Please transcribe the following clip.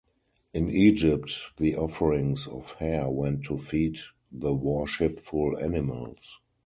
In Egypt the offerings of hair went to feed the worshipful animals.